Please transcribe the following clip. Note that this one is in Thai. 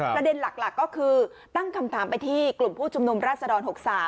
ประเด็นหลักก็คือตั้งคำถามไปที่กลุ่มผู้ชุมนุมราชดร๖๓